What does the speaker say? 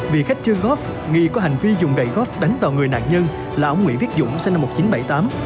vì khách chơi gốc nghi có hành vi dùng gậy gốc đánh tòa người nạn nhân là ông nguyễn viết dũng sinh năm một nghìn chín trăm bảy mươi tám